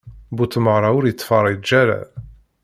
Bu tmeɣṛa ur ittfeṛṛiǧ ara.